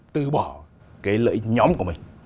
từ bỏ cái lợi nhóm của mình